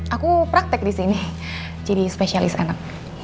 aku praktek disini jadi spesialis anak